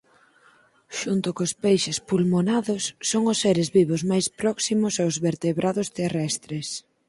Xunto cos peixes pulmonados son os seres vivos máis próximos aos vertebrados terrestres.